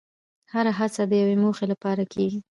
هره هڅه د یوې موخې لپاره کېږي.